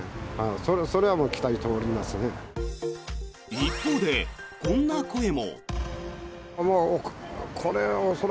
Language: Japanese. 一方でこんな声も。